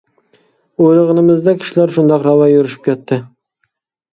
ئويلىغىنىمىزدەك ئىشلار شۇنداق راۋان يۈرۈشۈپ كەتتى.